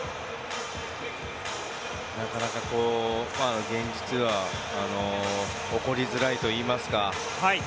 なかなか現実では起こりづらいといいますか